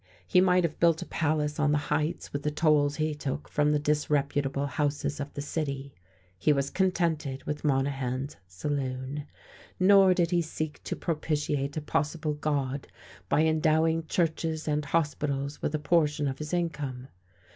He might have built a palace on the Heights with the tolls he took from the disreputable houses of the city; he was contented with Monahan's saloon: nor did he seek to propitiate a possible God by endowing churches and hospitals with a portion of his income.